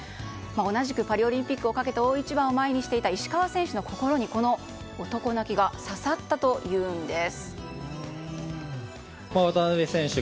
同じくパリオリンピックをかけた大一番を前にしていた石川選手の心にこの男泣きが刺さったといいます。